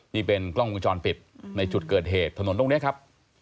นี่เป็นกล้องวงจรปิดในจุดเกิดเหตุถนนตรงนี้ครับ